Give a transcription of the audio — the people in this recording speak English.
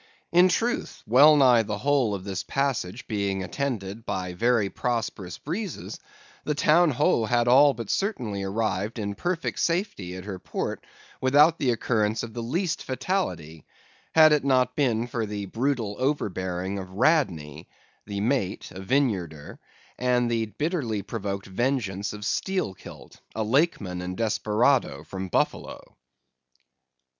In truth, well nigh the whole of this passage being attended by very prosperous breezes, the Town Ho had all but certainly arrived in perfect safety at her port without the occurrence of the least fatality, had it not been for the brutal overbearing of Radney, the mate, a Vineyarder, and the bitterly provoked vengeance of Steelkilt, a Lakeman and desperado from Buffalo.